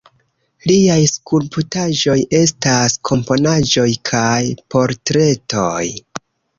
Liaj skulptaĵoj estas komponaĵoj kaj portretoj.